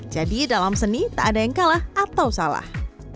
jadi dalam seni tak ada yang kalah atau salah